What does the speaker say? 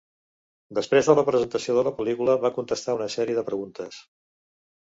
Després de la presentació de la pel·lícula, va contestar una sèrie de preguntes.